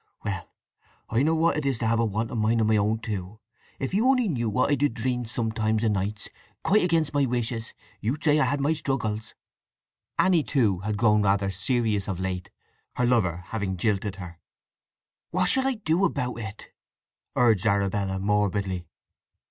"Well—I know what it is to have a wanton mind o' my own, too! If you on'y knew what I do dream sometimes o' nights quite against my wishes, you'd say I had my struggles!" (Anny, too, had grown rather serious of late, her lover having jilted her.) "What shall I do about it?" urged Arabella morbidly.